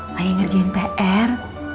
lagi ngerjain pr